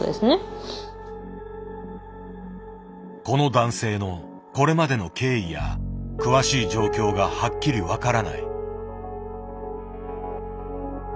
この男性のこれまでの経緯や詳しい状況がはっきり分からない。